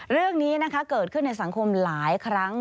เรื่องนี้เกิดขึ้นในสังคมหลายครั้ง